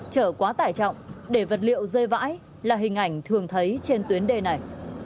chở quá tải trọng để vật liệu rơi vãi là hình ảnh thường thấy trên tuyến đê này